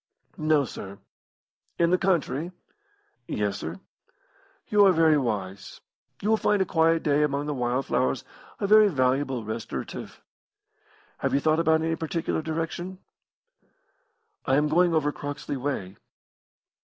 "No, sir. "In the country?" "Yes, sir." "You are very wise. You will find a quiet day among the wild flowers a very valuable restorative. Have you thought of any particular direction?" "I am going over Croxley way."